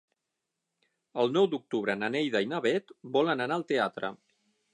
El nou d'octubre na Neida i na Bet volen anar al teatre.